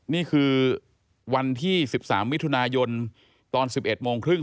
นี่คือวันที่๑๓มิถุนายนตอน๑๑โมงครึ่ง